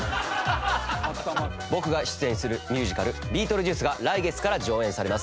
僕が出演するミュージカル『ビートルジュース』が来月から上演されます。